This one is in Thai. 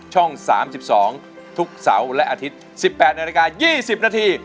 ช่อง๓๒ทุกเสาร์และอาทิตย์๑๘นาฬิกา๒๐นาที